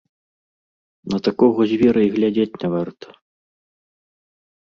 На такога звера і глядзець не варта.